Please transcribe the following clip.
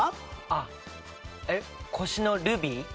あっえっ越のルビー？